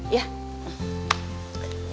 ya udah if suffer